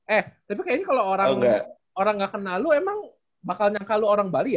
eh tapi kayaknya kalau orang gak kenal lu emang bakal nyangka lu orang bali ya